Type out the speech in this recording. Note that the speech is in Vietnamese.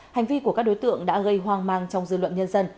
hành vi của các đối tượng đã gây hoang mang trong dư luận nhân dân